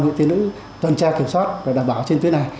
huyện tiên ưu tuần tra kiểm soát và đảm bảo trên tuyến này